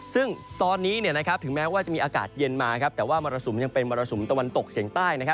ซึ่งตอนนี้ถึงแม้ว่าจะมีอากาศเย็นมาแต่ว่ามรสุมยังเป็นมรสุมตะวันตกเฉียงใต้